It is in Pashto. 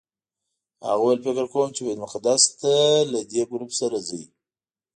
هغه وویل فکر کوم چې بیت المقدس ته له دې ګروپ سره ځئ.